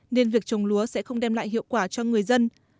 nên việc trồng lúa sẽ không đem lại hiệu quả cho người dân